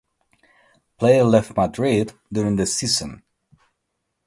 Player left Madrid during the season